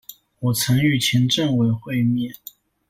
我曾與前政委會面